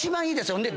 ほんで。